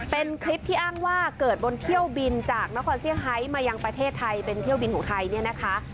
เป็นคลิปที่อ้างว่าเกิดบนเที่ยวบินจากนครเซี่ยงไฮมายังประเทศไทยเป็นเที่ยวบินของไทยเนี่ยนะคะ